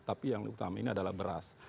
tapi yang diutama ini adalah beras